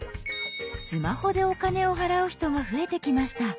スマホでお金を払う人が増えてきました。